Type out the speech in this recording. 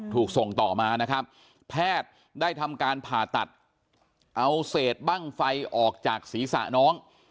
ถูกส่งต่อมานะครับแพทย์ได้ทำการผ่าตัดเอาเศษบ้างไฟออกจากศีรษะน้อง